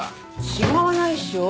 違わないっしょ。